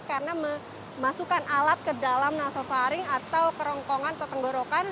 karena memasukkan alat ke dalam nasofaring atau kerongkongan atau tenggorokan